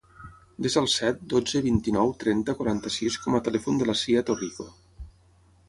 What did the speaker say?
Desa el set, dotze, vint-i-nou, trenta, quaranta-sis com a telèfon de la Sia Torrico.